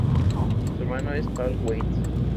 Su hermano es Paul Weitz.